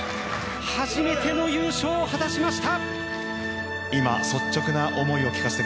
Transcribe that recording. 初めての優勝を果たしました。